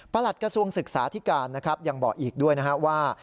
ประหลัดกระทรวงศึกษาที่การยังบอกอีกด้วยนะครับว่า